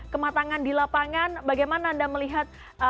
kematangan di lapangan bagaimana anda melihat